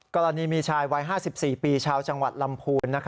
กรณีมีชายวัย๕๔ปีชาวจังหวัดลำพูน